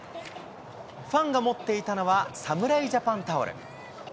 ファンが持っていたのは侍ジャパンタオル。